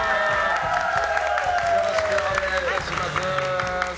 よろしくお願いします。